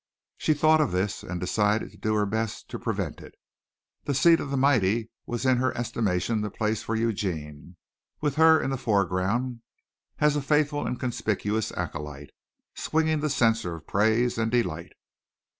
She thought of this and decided to do her best to prevent it. The seat of the mighty was in her estimation the place for Eugene, with her in the foreground as a faithful and conspicuous acolyte, swinging the censer of praise and delight.